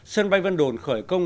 sân bay vân đồn khởi công